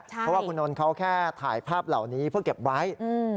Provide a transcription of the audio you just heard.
เพราะว่าคุณนนท์เขาแค่ถ่ายภาพเหล่านี้เพื่อเก็บไว้